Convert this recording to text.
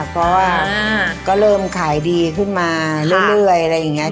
เพราะว่าก็เริ่มขายดีขึ้นมาเรื่อยอะไรอย่างนี้